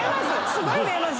すごい見えます。